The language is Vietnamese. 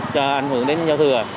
cho ảnh hưởng đến giao thừa